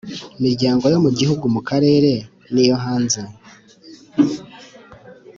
miryango yo mu gihugu mu karere n iyo hanze